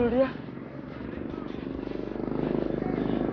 kenapa dia jadi sukses ya